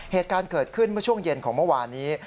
เหตุการณ์เกิดขึ้นเมื่อช่วงเย็นของเมื่อวานนี้